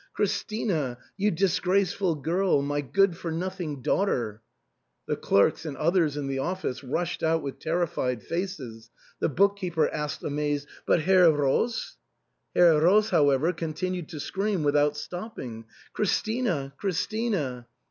" Christina ! You disgraceful girl ! My good for nothing daughter !*' The clerks and others in the office rushed out with ter rified faces ; the book keeper asked amazed, " But Herr Roos ?" Herr Roos, however, continued to scream without stopping, " Christina ! Christina